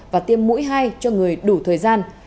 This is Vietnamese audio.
và tiêm mũi hai cho người đủ thời gian